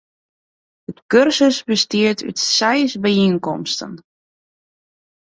De kursus bestiet út seis byienkomsten.